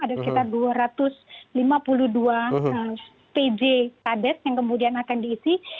ada sekitar dua ratus lima puluh dua pj tades yang kemudian akan diisi